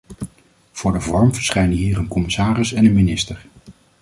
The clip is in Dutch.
Voor de vorm verschijnen hier een commissaris en een minister.